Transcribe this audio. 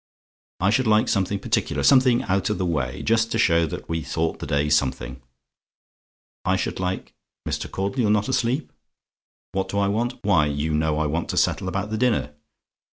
I should like something particular something out of the way just to show that we thought the day something. I should like Mr. Caudle, you're not asleep? "WHAT DO I WANT? "Why, you know I want to settle about the dinner.